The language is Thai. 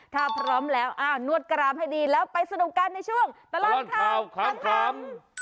ถ้าพร้อมแล้วอ้าวนวดกรามให้ดีแล้วไปสนุกกันในช่วงตลอดข่าวขำ